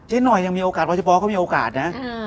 เจ๊หน่อยยังมีโอกาสพอเฉพาะก็มีโอกาสนะฮะ